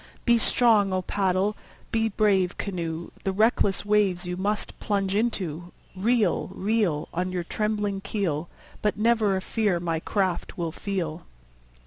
Be strong, O paddle! be brave, canoe! The reckless waves you must plunge into. Reel, reel. On your trembling keel, But never a fear my craft will feel.